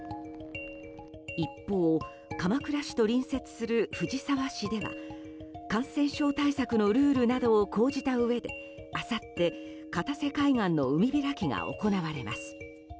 一方、鎌倉市と隣接する藤沢市では感染症対策のルールなどを講じたうえであさっ片瀬海岸の海開きが行われます。